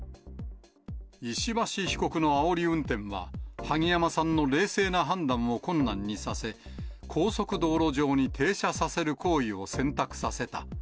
石橋被告のあおり運転は、萩山さんの冷静な判断を困難にさせ、高速道路上に停車させる行為を選択させた。